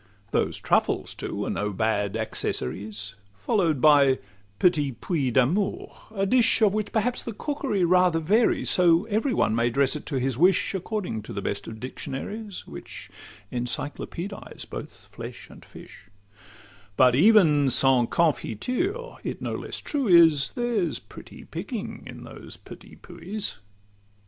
Those truffles too are no bad accessaries, Follow'd by 'petits puits d'amour'—a dish Of which perhaps the cookery rather varies, So every one may dress it to his wish, According to the best of dictionaries, Which encyclopedize both flesh and fish; But even sans 'confitures,' it no less true is, There's pretty picking in those 'petits puits.